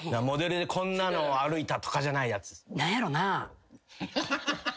モデルでこんなのを歩いたとかじゃないやつ。